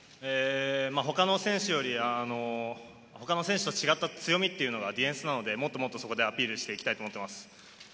他の選手より、他の選手と違った強みというのはディフェンスなので、もっとそこでアピールしていきたいと思っています。